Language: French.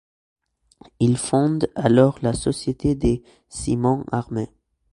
Il fonde alors la société des ciments armés.